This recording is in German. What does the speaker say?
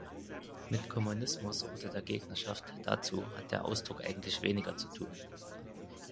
Mit Kommunismus oder der Gegnerschaft dazu hat der Ausdruck eigentlich weniger zu tun.